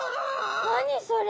何それ？